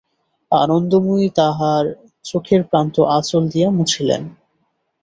আনন্দময়ী তাঁহার চোখের প্রান্ত আঁচল দিয়া মুছিলেন।